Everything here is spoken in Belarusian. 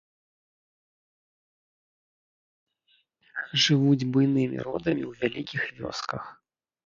Жывуць буйнымі родамі ў вялікіх вёсках.